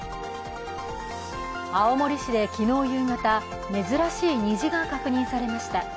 青森市で昨日夕方、珍しい虹が確認されました。